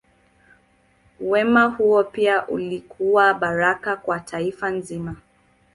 Wema huo pia ulikuwa baraka kwa taifa zima.